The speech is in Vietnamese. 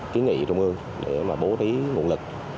kiến nghị trung ương để mà bố trí nguồn lực